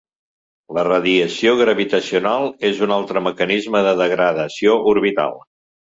La radiació gravitacional és un altre mecanisme de degradació orbital.